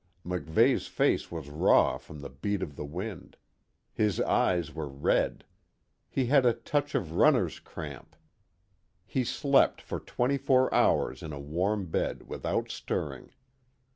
MacVeigh's face was raw from the beat of the wind. His eyes were red. He had a touch of runner's cramp. He slept for twenty four hours in a warm bed without stirring.